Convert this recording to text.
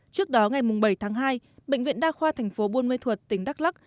trước đó ngày bảy tháng hai bệnh viện đa khoa tp bôn ma thuật tỉnh đắk lắc